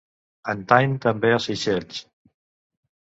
Antany també a Seychelles.